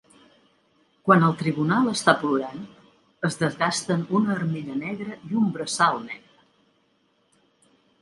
Quan el Tribunal està plorant, es desgasten una armilla negre i un braçal negre.